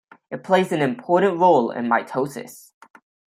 It plays an important role in mitosis.